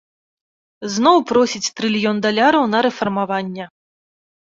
Зноў просіць трыльён даляраў на рэфармаванне.